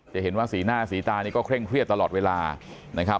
จะเห็นว่าสีหน้าสีตานี่ก็เคร่งเครียดตลอดเวลานะครับ